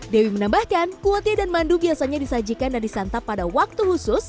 dewi menambahkan kuotie dan mandu biasanya disajikan dan disantap pada waktu khusus